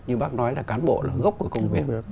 như bác nói là cán bộ là gốc của công việc